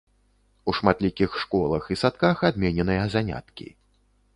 У шматлікіх школах і садках адмененыя заняткі.